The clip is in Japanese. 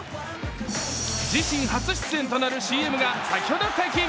自身初出演となるＣＭが先ほど解禁！